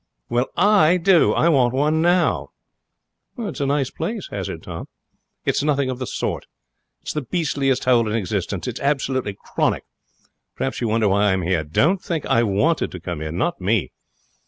'Well, I do. I want one now.' 'It's a nice place,' hazarded Tom. 'It's nothing of the sort. It's the beastliest hole in existence. It's absolutely chronic. Perhaps you wonder why I'm here. Don't think I wanted to come here. Not me!